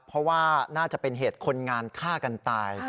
เพราะว่าน่าจะเป็นเหตุคนงานฆ่ากันตาย